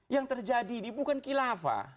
yang terjadi ini bukan khilafah